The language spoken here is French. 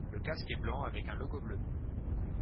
Le casque est blanc avec un logo bleu.